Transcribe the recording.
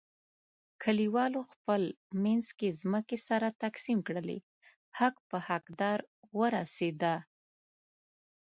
کلیوالو خپل منځ کې ځمکې سره تقسیم کړلې، حق په حق دار ورسیدا.